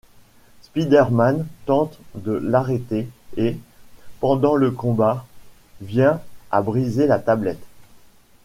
Spider-Man tente de l'arrêter et, pendant le combat, vient à briser la tablette.